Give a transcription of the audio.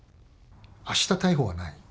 あした逮捕はない。